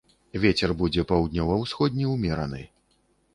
Вецер будзе паўднёва-ўсходні ўмераны.